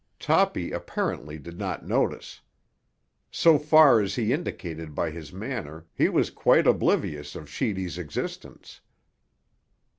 Toppy apparently did not notice. So far as he indicated by his manner he was quite oblivious of Sheedy's existence.